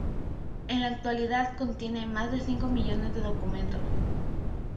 En la actualidad contiene más de cinco millones de documentos.